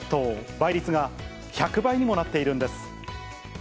倍率が１００倍にもなっているんです。